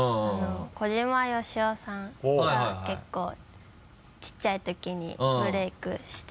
小島よしおさんが結構ちっちゃい時にブレークしてて。